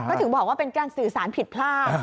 ก็ถึงบอกว่าเป็นการสื่อสารผิดพลาด